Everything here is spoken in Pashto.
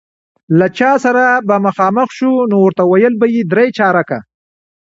له چا سره به مخامخ شو، نو ورته ویل به یې درې چارکه.